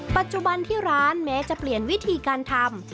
ปัจจุบันที่ร้านแม้จะเปลี่ยนวิธีการทำ